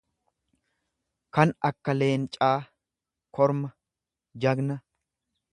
kan akka leencaa, korma, jagna.